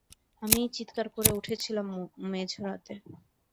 আমিই চিৎকার করে উঠেছিলাম মোঝরাতে।